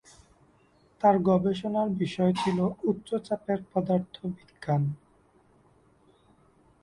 তার গবেষণার বিষয় ছিল উচ্চ চাপের পদার্থবিজ্ঞান।